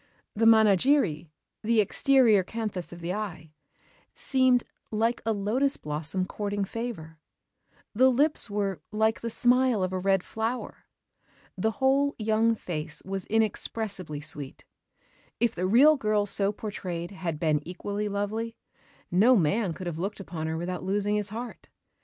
The manajiri seemed "like a lotos blossom courting favor"; the lips were "like the smile of a red flower"; the whole young face was inexpressibly sweet. If the real girl so portrayed had been equally lovely, no man could have looked upon her without losing his heart.